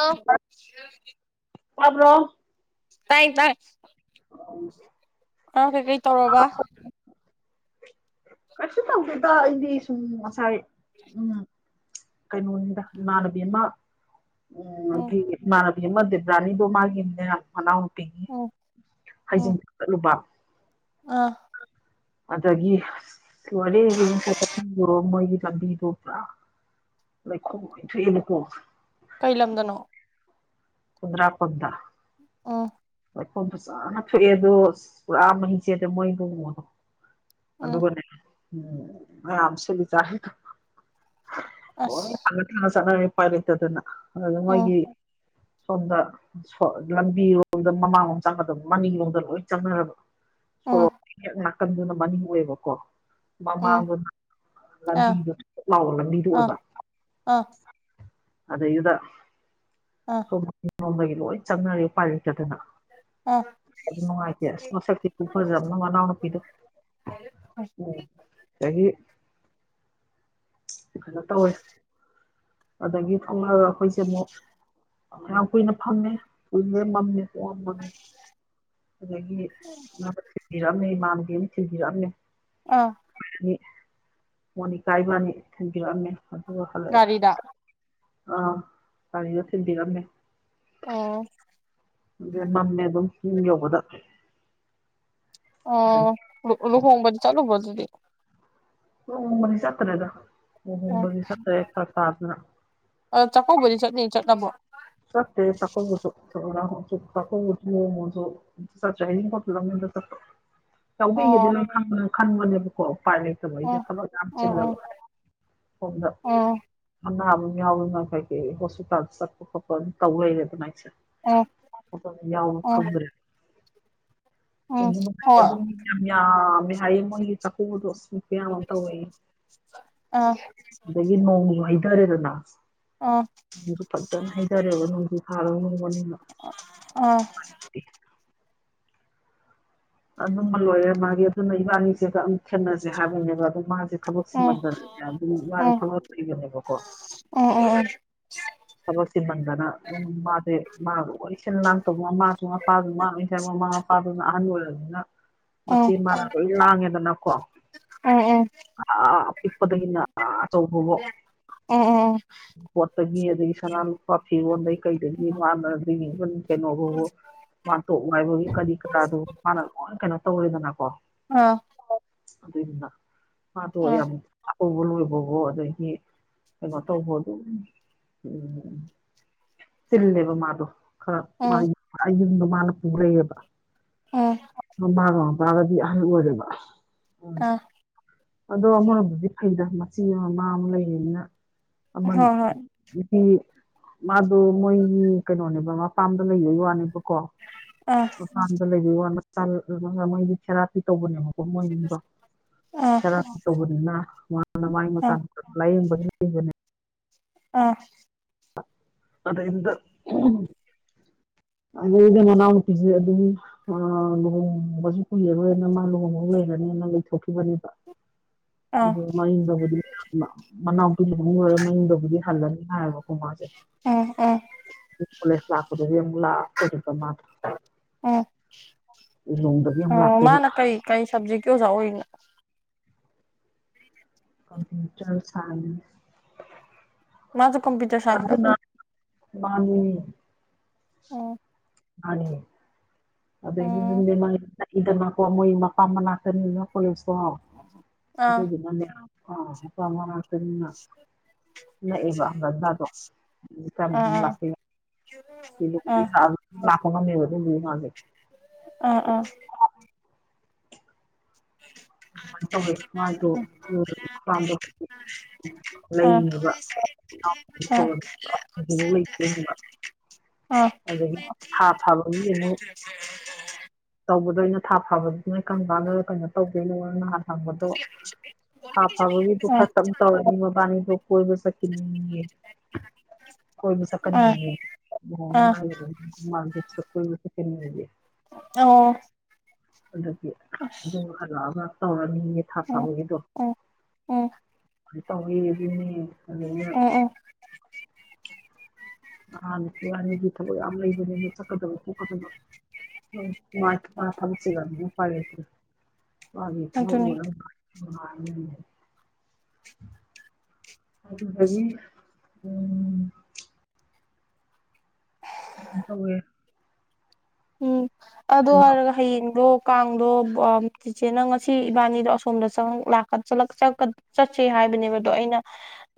ꯑꯧ ꯇꯥꯕ꯭ꯔꯣ ꯇꯥꯏ ꯇꯥꯏ [inaudible] ꯅꯪ ꯀꯩꯀꯩ ꯇꯧꯔꯕ ꯀꯁꯨ ꯇꯧꯗꯦꯗ ꯏꯗꯤ ꯁꯨꯝ ꯉꯁꯥꯏ ꯎꯝ ꯀꯩꯅꯣꯅꯤꯗ ꯏꯃꯥꯟꯅꯕꯤ ꯑꯃ ꯎꯝ ꯑꯗꯨꯏꯒꯤ ꯏꯃꯥꯟꯅꯕꯤ ꯑꯃ ꯗꯤꯄ꯭ꯔꯥꯅꯤꯗꯣ ꯃꯥꯒꯤꯅꯦ ꯃꯅꯥꯎꯅꯨꯄꯤꯒꯤ ꯑꯣ ꯍꯩꯖꯤꯟ ꯆꯠꯂꯨꯕ ꯑꯥ ꯑꯗꯒꯤ ꯂꯣꯏꯔꯦ ꯍꯩꯖꯤꯡꯄꯣꯠ ꯆꯠꯐꯝꯗꯣ ꯃꯣꯏꯒꯤ ꯂꯝꯕꯤꯗꯣ ꯄꯨꯔꯥ ꯂꯩꯈꯣꯝ ꯂꯣꯏ ꯊꯣꯛꯑꯦꯕꯀꯣ ꯀꯩ ꯂꯝꯗꯅꯣ ꯈꯨꯟꯗ꯭ꯔꯥꯛꯄꯝꯗ ꯑꯣ ꯂꯩꯈꯣꯝꯁꯨ ꯐꯖꯅ ꯊꯣꯛꯑꯦ ꯑꯗꯣ ꯄꯨꯔꯥ ꯃꯍꯤ ꯆꯦꯜꯂꯦ ꯃꯣꯏ ꯂꯨꯍꯣꯡꯕꯗꯣ ꯎꯝ ꯑꯗꯨꯒꯅꯦ ꯑꯔꯥꯞꯁꯤꯜꯂꯤ ꯆꯔꯤꯗꯣ ꯂꯣꯏ ꯑꯁ ꯊꯔ ꯊꯔ ꯆꯠꯅꯔꯦ ꯎꯄꯥꯏ ꯂꯩꯇꯗꯅ ꯑꯗꯥ ꯎꯝ ꯃꯣꯏꯒꯤ ꯁꯣꯝꯗ ꯁꯣ ꯂꯝꯕꯤꯔꯣꯝꯗ ꯃꯃꯥꯡꯂꯣꯝ ꯆꯪꯒꯗꯕ ꯃꯅꯤꯔꯣꯝꯗ ꯂꯣꯏ ꯆꯪꯅꯔꯕ ꯑꯣ ꯁꯣꯔꯣꯛ ꯍꯦꯛ ꯀꯟꯗꯨꯅ ꯃꯅꯤꯡ ꯑꯣꯏꯌꯦꯕꯀꯣ ꯎꯝ ꯃꯃꯥꯡꯗꯨꯅ ꯑꯥ ꯂꯝꯕꯤꯗꯣ ꯁꯨꯛꯂꯥꯎꯕ ꯂꯝꯕꯤꯗꯣ ꯑꯥ ꯑꯣꯏꯕ ꯑꯥ ꯑꯗꯩꯗꯨꯗ ꯑꯥ ꯃꯅꯤꯡꯂꯣꯝꯗꯒꯤ ꯂꯣꯏ ꯆꯪꯅꯔꯦ ꯎꯄꯥꯢꯂꯩꯇꯗꯅ ꯑ ꯑꯗꯨ ꯅꯨꯡꯉꯥꯏꯇꯦ ꯑꯁ ꯃꯁꯛꯇꯤ ꯈꯨꯐꯖꯕ ꯑꯃ ꯃꯅꯥꯎ ꯅꯨꯨꯄꯤꯗꯣ ꯎꯝ ꯗꯒꯤ ꯀꯩꯅꯣ ꯇꯧꯋꯦ ꯑꯗꯒꯤ ꯊꯣꯛꯂꯛꯑꯒ ꯑꯩꯈꯣꯏꯁꯦ ꯑꯃꯨꯛ ꯌꯥꯝ ꯀꯨꯏꯅ ꯐꯝꯃꯦ ꯀꯨꯏꯌꯦ ꯃꯝꯃꯦ ꯄꯨꯃꯝ ꯃꯝꯃꯦ ꯑꯗꯒꯤ ꯑꯃꯅ ꯊꯤꯟꯕꯤꯔꯛꯑꯝꯃꯦ ꯏꯃꯥꯟꯅꯕꯤ ꯑꯃ ꯊꯤꯟꯕꯤꯔꯛꯑꯝꯃꯦ ꯑꯥ ꯃꯤ ꯃꯣꯅꯤꯀꯥ ꯏꯕꯅꯤ ꯊꯝꯕꯤꯔꯛꯑꯝꯃꯦ ꯑꯗꯨꯒ ꯍꯜꯂꯛꯑꯦ ꯒꯥꯔꯤꯗ ꯑꯥ ꯒꯥꯔꯤꯗ ꯊꯤꯟꯕꯤꯔꯝꯃꯦ ꯑꯣ ꯗꯦ ꯃꯝꯃꯦ ꯑꯗꯨꯝ ꯌꯨꯝ ꯌꯧꯕꯗ ꯑ ꯑꯗꯒꯤ ꯂꯨ ꯂꯨꯍꯣꯡꯕꯗꯤ ꯆꯠꯂꯨꯕ꯭ꯔꯣ ꯑꯗꯨꯗꯤ ꯂꯨꯍꯣꯡꯕꯗꯤ ꯆꯠꯇ꯭ꯔꯦꯗ ꯎꯝ ꯂꯨꯍꯣꯡꯕꯗꯤ ꯆꯠꯇꯔꯦ ꯐꯥꯔꯛ ꯇꯥꯗꯅ ꯑ ꯆꯥꯛꯀꯧꯕꯗꯤ ꯆꯠꯅꯤ ꯆꯠꯂꯕꯣ ꯆꯠꯇ꯭ꯔꯦ ꯆꯥꯛꯀꯧꯕꯁꯨ ꯆꯥꯛꯀꯧꯕꯁꯨ ꯂꯨꯍꯣꯡꯕꯁꯨ ꯆꯠꯇ꯭ꯔꯦ ꯍꯩꯖꯤꯡꯄꯣꯠꯇꯨꯗꯪꯅꯤꯗ ꯆꯠꯄ ꯌꯧꯕꯤꯒꯦꯗꯤ ꯑꯣ ꯂꯣꯏ ꯈꯟꯕ ꯈꯟꯕꯅꯦꯕꯀꯣ ꯎꯄꯥꯢ ꯂꯩꯇ꯭ꯔꯦ ꯇꯕ ꯑꯩꯖꯦ ꯎꯝ ꯊꯕꯛ ꯌꯝ ꯎꯝ ꯆꯤꯜꯂꯕ ꯎꯝ ꯁꯣꯝꯗ ꯎꯝ ꯑꯅꯥꯕ ꯌꯥꯎꯔꯤꯅ ꯀꯩꯪꯀꯩ ꯍꯣꯁꯄꯤꯇꯥꯜꯗ ꯆꯠꯄ ꯈꯣꯠꯄ ꯑꯗꯨ ꯇꯧ ꯂꯩꯔꯦꯗꯅ ꯑꯩꯁꯦ ꯎꯝ ꯌꯥꯎꯕ ꯎꯝ ꯈꯪꯗ꯭ꯔꯦ ꯎꯝ [unintelligible] ꯌꯥꯝ ꯍꯣꯏ ꯌꯝꯃꯦ ꯍꯥꯏꯌꯦ ꯃꯣꯏꯒꯤ ꯆꯥꯛꯀꯨꯗꯣ ꯑꯁ ꯀꯌꯥ ꯑꯃ ꯇꯧꯋꯦ ꯑꯥ ꯍꯥꯏꯊꯔꯦꯗꯅ ꯑꯥ ꯅꯁꯨ ꯐꯖꯅ ꯍꯩꯊꯔꯦꯕ ꯅꯣꯡꯖꯨ ꯐꯥꯔ ꯉꯣꯡꯃꯅꯤꯅ ꯑꯥ ꯑꯗꯨꯝꯕ ꯂꯣꯏꯔꯦ ꯃꯥꯒꯤ ꯑꯗꯨꯅ ꯏꯕꯥꯅꯤꯁꯦꯒ ꯈꯦꯠꯅꯁꯦ ꯍꯥꯏꯕꯅꯦꯕ ꯑꯣ ꯃꯥꯁꯦ ꯎꯝ ꯊꯕꯛꯁꯤꯃꯗ ꯑꯗꯨꯝ ꯃꯥꯒꯤ ꯊꯂꯛ ꯂꯩꯕꯅꯦꯕꯀꯣ ꯑꯣ ꯑꯣ ꯑꯣ [inaudible] ꯊꯕꯛ ꯁꯤꯟꯃꯟꯗꯅ ꯑꯗꯨꯝ ꯃꯥꯁꯦ ꯃꯥ ꯂꯣꯏ ꯁꯤꯟ ꯂꯥꯡꯇꯧꯕ ꯃꯃꯥꯁꯨ ꯃꯄꯥꯁꯨ ꯃꯥꯅ ꯂꯣꯏ ꯁꯥꯏ ꯃꯃꯥ ꯃꯄꯥꯗꯨꯅ ꯑꯍꯟ ꯑꯣꯏꯔꯅꯤꯅ ꯃꯆꯦ ꯎꯝ ꯃꯥꯅ ꯂꯣꯏ ꯂꯥꯡꯉꯦꯗꯅꯀꯣ ꯎꯝ ꯑꯥ ꯑꯄꯤꯛꯄꯗꯒꯤꯅ ꯑꯥ ꯑꯆꯧꯕꯕꯧ ꯎꯝꯎꯝꯎꯝ ꯄꯣꯠꯇꯒꯤ ꯑꯗꯒꯤ ꯁꯅꯥ ꯂꯨꯄꯥ ꯐꯤꯔꯣꯟꯗꯩ ꯀꯩꯗꯒꯤ ꯃꯥꯅ ꯑꯗꯒꯤ ꯏꯚꯟ ꯀꯩꯅꯣꯕꯨꯕꯨ ꯋꯥꯟꯇꯣꯛ ꯉꯥꯏꯕꯒꯤ ꯀꯔꯤ ꯀꯔꯥꯗꯨ ꯃꯥꯅ ꯂꯣꯏ ꯀꯩꯅꯣ ꯇꯧꯔꯦꯗꯅꯀꯣ ꯑꯥ ꯑꯗꯨꯏꯅ ꯃꯥꯗꯣ ꯑꯥ ꯌꯥꯝꯅꯤ ꯇ ꯂꯣꯏꯕꯕꯨꯣ ꯑꯗꯒꯤ ꯀꯩꯅꯣ ꯇꯧꯕ ꯑꯗꯨ ꯎꯝ ꯎ ꯆꯤꯜꯂꯦꯕ ꯃꯥꯗꯣ ꯈꯔ ꯑꯥ ꯑꯌꯤꯡꯗꯣ ꯃꯥꯅ ꯄꯨꯔꯛꯑꯦꯕ ꯑꯥ ꯃꯥꯒ ꯃꯄꯥꯒꯗꯤ ꯑꯍꯜ ꯑꯣꯏꯔꯦꯕ ꯎꯝ ꯑꯥ ꯑꯗꯣ ꯑꯃꯔꯣꯝꯗꯗꯤ ꯐꯩꯗ ꯃꯆꯤ ꯑꯃ ꯃꯥ ꯑꯃ ꯂꯩꯌꯦꯅꯤꯅ ꯑꯃꯜ ꯍꯣꯏ ꯍꯣꯏ ꯃꯥꯗꯣ ꯃꯣꯏꯒꯤ ꯀꯩꯅꯣꯅꯦꯕ ꯃꯄꯥꯝꯗ ꯂꯩꯕꯒꯤ ꯋꯥꯅꯦꯕꯀꯣ ꯑ ꯃꯄꯥꯟꯗ ꯂꯩꯕꯤ ꯋꯥ ꯃ ꯃꯣꯏꯗꯤ ꯊꯦꯔꯥꯄꯤ ꯇꯧꯕꯅꯦꯕ [unintelligible] ꯈꯔ ꯇꯧꯕꯅꯤꯅ ꯃꯥꯅ ꯃꯥꯒꯤ ꯑꯥ ꯃꯆꯥ ꯂꯥꯏꯌꯦꯡꯕ ꯂꯩꯕꯅꯦ ꯑꯥ ꯑꯗ ꯏꯗ ꯑꯗꯨꯗ ꯃꯅꯥꯎ ꯅꯨꯄꯤꯁꯨ ꯑꯗꯨꯝ ꯂꯨꯍꯣꯡꯕꯁꯨ ꯀꯨꯏꯔꯔꯣꯏꯅ ꯃꯥ ꯂꯨꯍꯣꯡꯕ ꯂꯩꯔꯅꯤꯅ ꯂꯩꯊꯣꯛꯈꯤꯕꯅꯦꯕ [inaudible] ꯑꯗꯨ ꯃꯡꯗꯕꯨꯗꯤ ꯃꯅꯥꯎꯄꯤ ꯃ ꯂꯣꯏꯔꯒ ꯃꯡꯗꯕꯨꯗꯤ ꯍꯜꯂꯅꯤ ꯍꯥꯏꯌꯦꯕ ꯎꯝ ꯎꯝ [unintelligible] ꯀꯣꯂꯦꯖ ꯂꯥꯛꯄꯗꯗꯤ ꯑꯃꯨꯛ ꯂꯛ ꯃꯁꯦ ꯎꯝ ꯂꯤꯂꯣꯡꯗꯒꯤ ꯑꯃꯨꯛ ꯑꯣ ꯂꯥꯛꯇꯣꯏꯕ ꯃꯥꯅ ꯀꯩ ꯀꯩ ꯁꯞꯖꯦꯛꯀꯤ ꯑꯣꯖꯥ ꯑꯣꯏꯔꯤꯅꯣ ꯀꯝꯄꯨꯇꯔ ꯁꯥꯏꯟꯁ ꯃꯥꯁꯨ ꯀꯝꯄꯌꯨꯇꯔ ꯁꯥꯏꯟꯁꯂꯣ ꯑꯗꯨꯅ ꯃꯥꯅꯤ ꯎꯝ ꯃꯥꯅꯤ ꯎꯝ ꯑꯩꯗꯤꯗꯤꯗꯅꯀꯣ ꯃꯣꯏ ꯃꯄꯥꯝꯕꯅꯥꯀꯅꯤꯅꯣ ꯄꯨꯁꯣ ꯑ ꯑꯥ ꯃꯛꯇꯅ ꯅꯛꯑꯦꯕ ꯑꯖꯗꯣ ꯑꯗꯨ ꯀꯅ ꯑꯥ ꯑꯗꯨꯝ ꯑꯥ ꯂꯥꯛꯄꯤ ꯑꯥ [unintelligible] ꯂꯛꯀꯗꯕꯅꯦ ꯃꯗꯣ ꯑꯥ ꯑꯥ [inaudible] ꯑꯗꯨꯃꯥꯏꯅ ꯇꯧꯋꯦ ꯃꯥꯗꯣꯗꯣ ꯑꯥ ꯂꯩꯌꯦꯕ ꯑꯥ [unintelligible] ꯑꯗꯨꯗꯒꯤ ꯊꯥ ꯐꯥꯕꯒꯤ ꯑꯃꯨꯛ ꯇꯧꯕꯗꯩꯅ ꯊꯥ ꯐꯥꯕꯗꯨꯃ ꯑꯩ ꯀꯪ ꯀꯥꯟꯂ ꯀꯩꯅꯣ ꯇꯧꯗꯣꯏꯅꯣꯔ ꯅꯍꯥꯟ ꯍꯪꯕꯗꯣ [unintelligible] ꯊꯥ ꯐꯥꯕꯒꯤꯗꯨ ꯈꯛꯇꯪꯨ ꯇꯧꯔ ꯑꯗꯨ ꯃꯕꯥꯅꯤꯗꯣ ꯀꯣꯏꯕ ꯆꯠꯈꯤꯅꯤꯡꯉꯦ ꯀꯣꯏꯕ ꯑꯥ ꯆꯠꯀꯅꯦꯌꯦ ꯑꯥ ꯃꯥꯥꯡꯗꯁꯨꯣꯏ ꯀꯅꯤꯦ ꯑꯣ ꯑꯗꯨꯗꯤ ꯑꯗꯨꯝ ꯑꯂꯛꯑꯒ ꯇꯧꯔꯅꯤꯒꯤ ꯊꯥ ꯎꯝ ꯐꯕꯒꯤꯗꯣ ꯎꯝ ꯎꯝ ꯀꯥꯏ ꯇꯧꯋꯤ ꯑꯗꯨꯅꯦ ꯑꯗꯨ ꯑꯩꯅ ꯎꯝ ꯎꯝ ꯑꯥ ꯅꯨꯄꯤ ꯋꯥꯅꯤꯒꯤ ꯊꯕꯛ ꯌꯥꯝ ꯂꯩꯕꯅꯤꯅ ꯆꯠꯀꯗꯕ ꯈꯣꯀꯗꯕ [unintelligible] ꯑꯗꯨꯅꯤ ꯑ [unintelligible] ꯀꯃꯥꯏꯅ ꯇꯧꯋꯦ ꯎꯝ ꯑꯗꯣ ꯑꯗꯨꯅ ꯍꯥꯏꯔꯒ ꯍꯌꯦꯡꯗꯣ ꯀꯥꯡꯗꯣ ꯇꯤꯆꯦꯅ ꯉꯁꯤ ꯏꯕꯥꯅꯤꯗꯣ ꯑꯁꯣꯝꯗ ꯆꯠꯁꯦ ꯍꯥꯏꯕꯅꯦꯕꯗꯣ ꯑꯩꯅ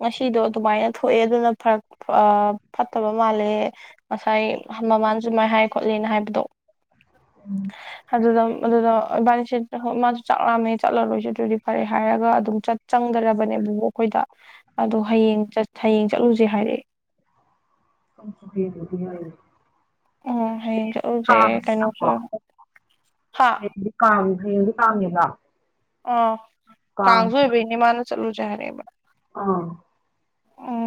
ꯉꯁꯤꯗꯣ ꯑꯗꯨꯃꯥꯏꯅ ꯊꯣꯛꯑꯦ ꯑꯗꯨꯅ ꯐꯔꯛ ꯐꯠꯇꯕ ꯃꯥꯜꯂꯦ ꯉꯁꯥꯏ ꯃꯃꯥꯟ ꯁꯨꯃꯥꯏ ꯍꯥꯏ ꯈꯣꯠꯂꯦꯅ ꯍꯥꯏꯕ ꯑꯗꯣ ꯑꯗꯨꯗ ꯑꯗꯨꯗ ꯏꯕꯥꯅꯤꯁ ꯍꯣꯏ ꯃꯥꯁꯨ ꯆꯠꯂꯝꯑꯝꯃꯦ ꯆꯠꯂꯔꯣꯏꯁꯤ ꯑꯗꯨꯗꯤ ꯐꯔꯦ ꯍꯥꯏꯔꯒ ꯑꯗꯨꯝ ꯆꯠ ꯆꯪꯒꯕꯅꯦꯕ ꯑꯗꯨꯕꯨ ꯑꯩꯈꯣꯏꯗ ꯑꯗꯣ ꯍꯌꯦꯡ ꯍꯌꯦꯡ ꯆꯠꯂꯨꯁꯦ ꯍꯥꯏꯔꯛꯑꯦ ꯂꯩꯦ ꯎꯝ ꯍꯌꯦꯡ [inaudible] ꯆꯠꯂꯨꯁꯦ ꯀꯥꯔꯤ ꯀꯩꯅꯣꯁꯨ ꯍꯥ ꯍꯥꯏꯗꯤ ꯇꯥꯉꯦꯗ ꯑ ꯀꯥꯡꯁꯨ ꯑꯣꯏꯕꯩꯅꯦ ꯃꯥꯅ ꯆꯠꯂꯨꯁꯦ ꯍꯥꯏꯔꯦꯕ ꯑꯥ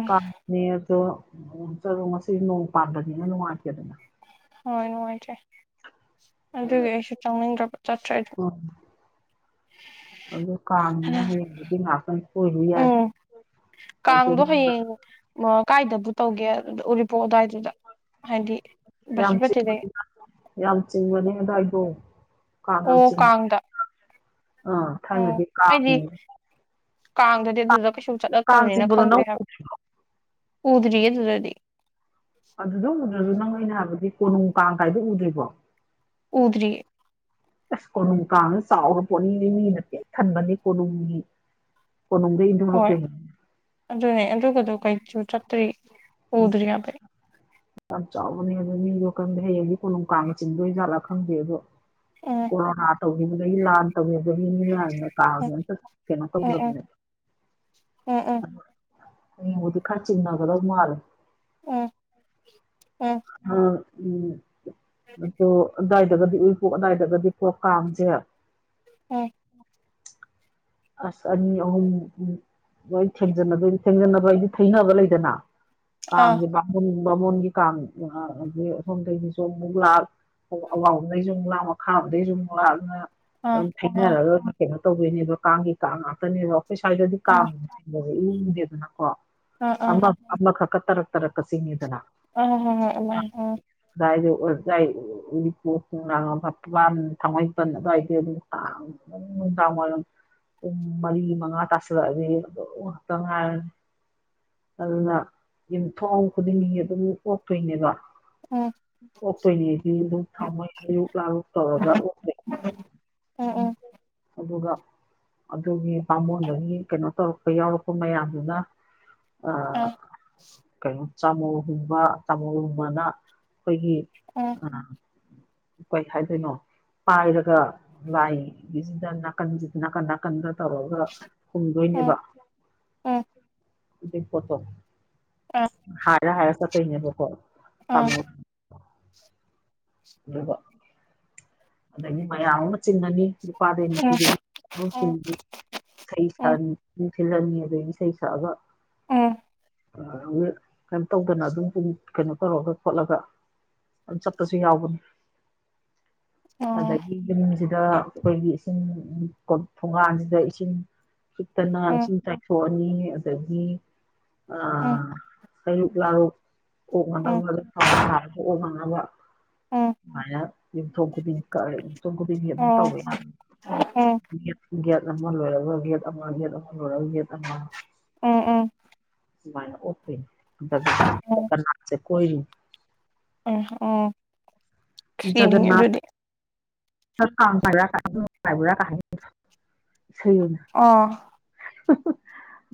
ꯀꯅꯦ ꯑꯗꯣ ꯆꯠꯂꯨ ꯉꯁꯤ ꯅꯣꯡ ꯄꯥꯟꯕꯅꯤꯅ ꯅꯨꯡꯉꯥꯏꯇꯦꯗꯅ ꯍꯣꯏ ꯅꯨꯡꯉꯥꯏꯇꯔꯦ ꯑꯗꯨꯗꯤ ꯑꯩꯁꯨ ꯆꯪꯅꯤꯡꯗ꯭ꯔꯕ ꯆꯠꯇ꯭ꯔꯗꯤ ꯑꯣ ꯑꯗꯨ ꯀꯥꯅ ꯍꯃꯄꯕꯤ ꯌꯥꯏ ꯑꯗꯨ ꯀꯗ ꯍꯌꯦ ꯀꯥꯏꯗꯕꯨ ꯇꯧꯒꯦ ꯑꯗꯨꯗ ꯎꯔꯤꯄꯣꯛ ꯑꯗꯨꯋꯥꯏꯗꯨꯗ ꯍꯥꯏꯗꯤ ꯔꯝ ꯆꯤꯡ ꯕꯁꯤꯄꯇꯤꯗꯒꯤ ꯔꯝꯆꯤꯡꯕꯅꯤꯗꯥꯏꯕ ꯑꯣ ꯀꯗ ꯑ ꯊꯗꯤ ꯀꯥ ꯑꯩꯗꯤ ꯀꯥꯡꯗꯗꯤ ꯑꯗꯨꯗ ꯀꯩꯁꯨ ꯀꯥꯡ ꯆꯠꯂꯛꯇꯕꯅꯤꯅ ꯆꯤꯡꯕꯗꯣ ꯅꯪ ꯈꯪꯗꯦ ꯎꯗ꯭ꯔꯤ ꯍꯥꯏꯕ ꯎꯗ꯭ꯔꯤꯌꯦ ꯑꯗꯨꯗꯗꯤ ꯑꯗꯨꯗ ꯎꯗ꯭ꯔꯁꯨ ꯅꯪ ꯑꯩꯅ ꯍꯥꯏꯕꯗꯤ ꯀꯣꯅꯨꯡ ꯀꯥꯡ ꯀꯥꯏꯗ ꯎꯗ꯭ꯔꯤꯕꯣ ꯎꯗ꯭ꯔꯤ ꯑꯁ ꯀꯣꯅꯨꯡ ꯀꯥꯡꯅ ꯆꯥꯎꯔ ꯄꯣꯠꯅꯤ ꯃꯤꯅ ꯄꯦꯛ ꯊꯟꯕꯅꯦ ꯀꯣꯅꯨꯡꯒꯤ ꯀꯣꯅꯨꯡꯗꯒꯤ ꯍꯣꯏ ꯑꯗꯨꯅꯦ ꯑꯗꯨꯒꯗꯨꯣ ꯀꯩꯁꯨ ꯆꯠꯇ꯭ꯔꯤ ꯎꯗ꯭ꯔꯤ ꯌꯥꯕꯩ ꯌꯥꯝ ꯆꯥꯎꯕꯅꯦ ꯑꯗꯣ ꯃꯤꯗꯣ ꯀꯔꯝꯗ ꯍꯌꯦꯡꯗꯤ ꯀꯣꯅꯨꯡ ꯀꯥꯡꯥꯅ ꯆꯤꯡꯗꯣꯏꯖꯠꯂꯥ ꯈꯪꯗꯦ ꯑꯗꯣ ꯎꯝ ꯀꯂꯣ ꯔꯇ ꯍ ꯃ ꯀ ꯂꯥ ꯇꯧꯤꯕꯒꯤ ꯃꯤꯅꯅ ꯀꯥꯕꯗꯨ ꯎꯝ ꯑꯝꯇ ꯆ ꯀꯦꯅꯣ ꯎꯝ ꯇꯧꯗ꯭ꯔꯕꯅꯦꯕ ꯎꯝ ꯑꯕꯨꯗꯤ ꯈꯔꯆ ꯏꯅꯥ ꯀꯣ ꯃꯥꯔꯦ ꯎꯝ ꯎꯝ ꯎꯝ ꯎꯝ ꯑꯗꯨ ꯑꯗꯨꯋꯥꯏꯗꯒꯗꯤ ꯎꯏꯄꯣꯛ ꯑꯋꯥꯏꯗꯒꯗꯤ ꯀꯣꯛ ꯀꯥꯡꯁꯦ ꯎꯝ ꯑꯁ ꯑꯅꯤ ꯑ ꯎ ꯑꯩ ꯊꯗꯣꯏ ꯊꯦꯡꯖꯟꯅꯕ ꯑꯩꯗꯤ ꯊꯩꯅꯅꯕ ꯂꯩꯗꯅ ꯑꯥ ꯀꯥꯡꯁꯦ ꯨꯕ ꯃꯣꯟꯒꯤ ꯀꯥꯡ ꯑꯗꯒꯤ ꯑꯁꯣꯝꯗꯒꯤꯒꯤꯁꯨ ꯑꯃꯨꯛ ꯂꯥꯛ ꯑꯋꯥꯥꯡ ꯂꯣꯝ ꯗꯒꯩꯁꯨꯨꯛ ꯂꯥꯛ ꯃꯈꯥ ꯑꯃꯝꯗꯒꯩꯁꯨꯨꯛ ꯂꯥꯛꯑ ꯑꯗꯨꯅ ꯑꯥ ꯑꯗꯨꯝ ꯑꯥ ꯈꯥꯏꯅꯔꯒ ꯀꯩꯅꯣ ꯇꯧꯕꯗꯣꯏꯅꯦꯕ ꯀꯥꯡꯒꯤ ꯀꯥꯡ ꯉꯥꯛꯇꯅꯦꯕ ꯑꯩꯈꯣꯏ ꯁ꯭ꯋꯥꯏꯗꯗꯤ ꯑꯥ ꯀꯥꯡ ꯏꯗꯦꯗꯅꯀꯣ ꯑꯥ ꯑꯥ ꯑꯃ ꯑꯃꯈꯛꯀ ꯇꯔꯛ ꯇꯔꯛꯀ ꯆꯤꯡꯉꯤꯗꯅ ꯑ ꯎ ꯑꯗꯨꯏꯗꯏ ꯎꯔꯤꯄꯣꯛ ꯈꯥꯡꯕꯥꯥꯟ ꯊꯥꯡꯃꯩꯄꯟ ꯑꯗꯨꯋꯥꯏꯗ ꯑꯗꯨꯝ ꯎ ꯅꯨꯡꯗꯥꯡ ꯋꯥꯢꯔꯝ ꯄꯨꯡ ꯃꯔꯤ ꯃꯉꯥ ꯇꯥꯁꯜꯂꯛꯑꯗꯤ ꯑꯗꯨ ꯉꯥꯛꯇ ꯉꯥꯏꯔꯅꯤ ꯑꯗꯨꯅ ꯌꯨꯝꯊꯣꯡ ꯈꯨꯗꯤꯡꯒꯤ ꯑꯗꯨꯝ ꯑꯣꯛꯇꯣꯏꯅꯦꯕ ꯎꯝ ꯑꯣꯄꯣꯏꯅꯦꯗꯤ ꯑꯗꯨꯝ ꯊꯥꯎꯃꯣꯏ ꯑꯌꯨꯛ ꯂꯥꯔꯨꯛ ꯇꯧꯔꯒ ꯎꯝ ꯎꯝ ꯑꯗꯨꯒ ꯑꯗꯨꯒꯤ ꯄꯥꯃꯣꯟꯗꯒꯤ ꯀꯩꯅꯣ ꯇꯧꯔꯛꯄ ꯌꯥꯎꯔꯛꯄ ꯃꯌꯥꯝꯗꯨꯅ ꯑꯥ ꯀꯩꯅꯣ ꯆꯥꯃꯣꯒꯨꯝꯕ ꯇꯥꯃꯣꯒꯨꯝꯕꯅ ꯑꯩꯈꯣꯏꯒꯤ ꯎꯝ ꯀꯩ ꯍꯥꯏꯗꯣꯏꯅꯣ ꯄꯥꯏꯔꯒ ꯂꯥꯏ ꯁꯤꯗ ꯅꯥꯀꯟꯁꯤꯗ ꯅꯥꯀꯟ ꯅꯥꯀꯟꯒ ꯇꯧꯔꯒ ꯎꯝ ꯍꯨꯝꯗꯣꯏꯅꯦꯕ ꯎꯝ ꯏꯗꯤ ꯀꯠꯇꯣ ꯑꯥ ꯑꯥ ꯍꯔ ꯍꯥꯏꯔ ꯆꯠꯇꯧꯅꯦꯕ ꯀꯣ ꯆꯃ ꯑꯗꯨꯕ ꯑꯗꯒꯤ ꯃꯌꯥꯝ ꯑꯃ ꯆꯤꯡꯉꯅꯤ ꯅꯨꯄꯥꯗꯒꯤ ꯅꯨꯄꯤꯗꯒꯤ ꯍꯧꯁꯤꯡꯗꯤ ꯎꯝ ꯏꯁꯩ ꯅꯨꯡꯁꯤꯜꯂꯅꯤ ꯑꯗꯒꯤ ꯏꯁꯩ ꯁꯛꯑꯕ ꯎꯝ ꯑꯗꯨ ꯀꯩꯅꯝ ꯇꯧꯗꯅ ꯑꯗꯨꯝ ꯀꯩꯅꯣ ꯇꯧꯔꯒ ꯈꯣꯠꯂꯒ ꯆꯠꯄꯁꯨ ꯌꯥꯎꯕ ꯎꯝ ꯑꯣ ꯑꯗꯒꯤ ꯌꯨꯝꯁꯤꯗ ꯑꯩꯈꯣꯏꯒꯤ ꯏꯁꯤꯡ ꯊꯣꯡꯒꯥꯥꯟꯁꯤꯗ ꯏꯁꯤꯡ ꯐꯨꯛꯇꯅ ꯎꯝ ꯏꯁꯤꯡ ꯇꯥꯏꯊꯣꯛꯑꯅꯤ ꯑꯗꯒꯤ ꯎꯝ ꯎꯝ ꯎꯝ ꯑꯥ ꯍꯩꯂꯨꯛ ꯂꯥꯔꯨꯛ ꯀ ꯋꯥ [unintelligible] ꯃꯥꯢꯅ ꯆꯣꯡ ꯈꯨꯗꯤꯡ ꯀꯦ ꯁꯣꯡ ꯈꯨꯗꯤꯡꯁ ꯑꯗꯨꯝ ꯑꯣ ꯇꯧꯋꯦ ꯎꯝ ꯒꯦꯠ ꯒꯦꯠ ꯑꯃ ꯂꯣꯏꯔꯒ ꯒꯦꯠ ꯑꯃ ꯒꯦꯠ ꯑꯃ ꯂꯣꯏꯔꯒ ꯒꯦꯠ ꯑꯃ ꯎꯝ ꯎꯝ ꯃꯥꯅ ꯑꯣꯏ ꯎꯝ [unintelligible] ꯎ ꯑꯣ ꯖꯒꯅꯥꯊ ꯥꯏꯕ꯭ꯔꯥ ꯀꯥꯏꯕ꯭ꯔꯥ ꯀꯥ ꯏꯁꯩ ꯑꯣꯏꯅ ꯑꯥ [unintelligible]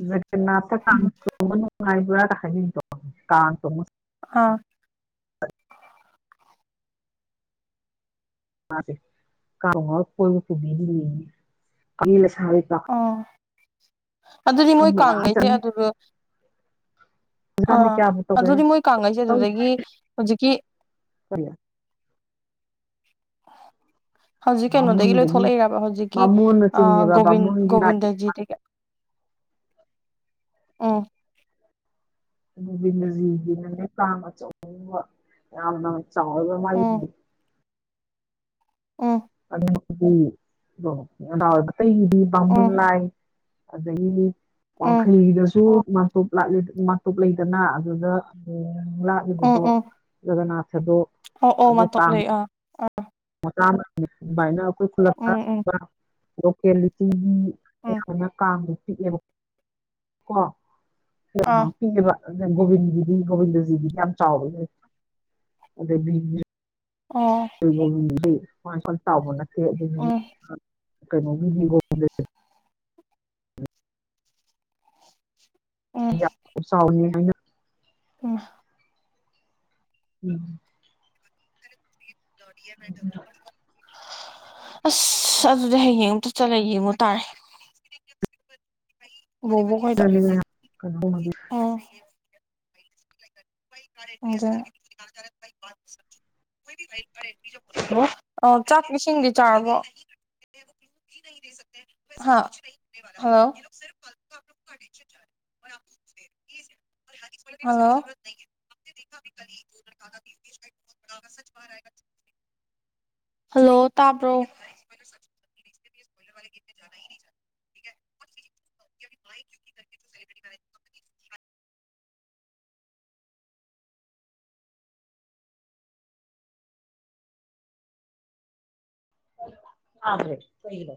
ꯒꯅꯥꯠ ꯀꯥꯟ ꯇ ꯅꯨꯡꯉꯥꯏꯕ ꯀ ꯍꯥꯏ ꯀꯥꯟ ꯇꯣ ꯑꯥ ꯀꯥꯎꯏ ꯄꯨꯕꯤꯂ ꯁꯥꯔ ꯑꯣ ꯑꯗꯨꯗꯤ ꯄꯥꯈꯪ ꯃꯣꯏ ꯃꯌꯥꯝ ꯀꯥꯡꯈꯩꯁꯦ ꯆꯠꯅꯤ ꯑꯗꯨꯗ [inaudible] ꯑꯥ ꯀꯌꯥꯕꯨ ꯇꯧꯒ꯭ꯔꯦ ꯑꯗꯨꯗꯤ ꯃꯣꯏ ꯀꯥꯡꯉꯩꯁꯦ ꯇꯧ ꯑꯗꯨꯗꯒꯤ ꯍꯧꯖꯤꯛꯀꯤ ꯀꯔꯤ ꯑ ꯍꯧꯖꯤꯛ ꯀꯩꯅꯣꯗꯒꯤ ꯕꯥꯃꯣꯟꯗꯒꯤ ꯂꯣꯏꯊꯂꯛꯏꯔꯕ ꯍꯧꯖꯤꯛꯀꯤ ꯕꯥꯃꯣꯟꯅ ꯆꯤꯡꯉꯦꯕ ꯒꯣ ꯕꯥꯃꯣꯟꯒꯤ ꯂꯥꯏ ꯒꯣꯕꯤꯟꯗꯖꯤ ꯑꯥ ꯒꯣꯕꯤꯟꯗꯖꯤꯒꯤꯅꯅꯦꯄꯥ ꯑꯆꯧꯕ ꯌꯥꯝꯅ ꯆꯥꯎꯕ ꯎꯝ ꯃꯥꯏꯅꯤ ꯑꯣ ꯑꯗꯨꯗꯤ ꯑꯗꯥ ꯑꯣꯏꯕ ꯑꯇꯩꯒꯤꯗꯤ ꯕꯥꯕꯨꯟ ꯎꯝ ꯂꯥꯏ ꯑꯗꯒꯤ ꯎꯝ ꯋꯥꯡꯈꯩꯒꯤꯗꯁꯨ [unintelligible] [unintelligible] ꯃꯥꯟꯇꯣꯞ ꯂꯩꯗꯅ ꯑꯗꯨꯗ [unintelligible] [unintelligible] ꯎꯝ ꯕꯗꯣ ꯎꯝ ꯖꯒꯅꯥꯊꯗꯣ ꯑꯣ ꯑꯣ [unintelligible] ꯃꯥꯟꯇꯣꯞ ꯇꯥꯡ ꯂꯩ ꯑꯥ [unintelligible] ꯑꯗꯨꯃꯥꯏꯅ ꯑꯩꯈꯣꯏ ꯈꯨꯂꯛ ꯎꯝ ꯎꯝ [unintelligible] ꯂꯣꯀꯦꯂꯤꯇꯤꯒꯤ ꯎꯝ ꯑꯌꯥꯝꯕꯅ ꯀꯥꯡꯗꯣ ꯄꯤꯛꯑꯦꯕ ꯀꯣ ꯑꯥ [unintelligible] ꯄꯤꯑꯦꯕ ꯒꯣꯕꯤꯟꯒꯤꯗꯤ ꯒꯣꯕꯤꯟꯗꯖꯤꯒꯤꯗꯤ ꯌꯥꯝ ꯆꯥꯎꯕꯅꯦ ꯑꯗꯩ ꯑꯣ [unintelligible] ꯆꯥꯎꯕ ꯅꯠꯇꯦ ꯑꯗꯨ ꯎꯝ ꯀꯩꯅꯣꯒꯤ [unintelligible] ꯎꯝ ꯁꯥꯎꯅꯤ ꯎꯝ ꯎꯝ ꯔꯤ [unintelligible] ꯑꯁ ꯑꯗꯨꯗꯤ ꯍꯌꯦꯡ ꯑꯃꯨꯛꯇ ꯆꯠꯂꯦ ꯌꯦꯡꯉꯨ ꯇꯥꯔꯦ ꯑꯗꯨ ꯑꯗꯨ ꯑꯗꯨ ꯀꯩꯅ [inaudible] ꯑ ꯆꯥꯛ ꯏꯁꯤꯡꯗꯤ ꯆꯥꯔꯕꯣ [unintelligible] ꯍ ꯍꯜꯂꯣ [unintelligible] ꯍꯜꯂꯣ [unintelligible] ꯍꯜꯂꯣ ꯇꯥꯕ꯭ꯔꯣ [unintelligible] [unintelligible] [unintelligible] ꯇꯗ꯭ꯔꯦ ꯀꯩꯒꯤꯅꯣ